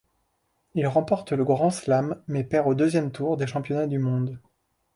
Il remporte le Grand Slam mais perd au deuxième tour des championnats du monde.